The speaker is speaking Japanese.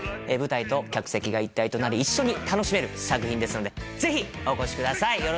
舞台と客席が一体となり一緒に楽しめる作品ですのでぜひお越しください